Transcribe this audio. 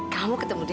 kamu ketemu dewi